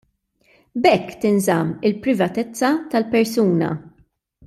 B'hekk tinżamm il-privatezza tal-persuna.